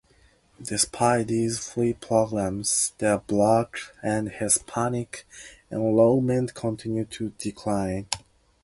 Despite these free programs, the black and Hispanic enrollment continue to decline.